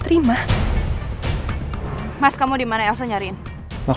iya ncus ke kamar mandi dulu bentar ya nak